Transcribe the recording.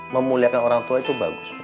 memuliakan orang tua itu bagus